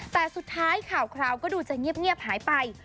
แต่สุดท้ายข่าวคราวก็ดูจะเงียบหายไป